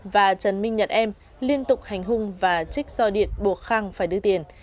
và trần minh nhật em liên tục hành hung và trích soi điện buộc khang phải đưa tiền